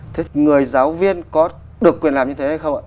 thế thì người giáo viên có được quyền làm như thế hay không ạ